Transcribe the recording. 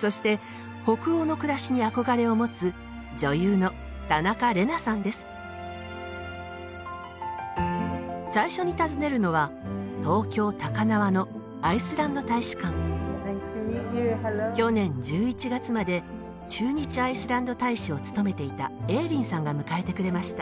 そして北欧の暮らしに憧れを持つ最初に訪ねるのは東京・高輪の去年１１月まで駐日アイスランド大使を務めていたエーリンさんが迎えてくれました。